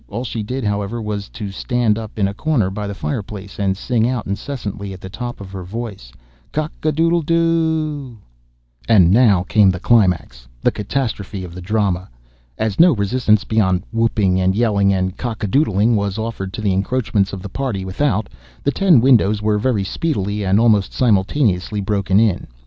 All she did, however, was to stand up in a corner, by the fireplace, and sing out incessantly at the top of her voice, "Cock a doodle de dooooooh!" And now came the climax—the catastrophe of the drama. As no resistance, beyond whooping and yelling and cock a doodling, was offered to the encroachments of the party without, the ten windows were very speedily, and almost simultaneously, broken in.